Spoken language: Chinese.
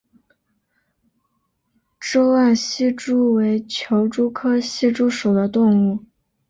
沟岸希蛛为球蛛科希蛛属的动物。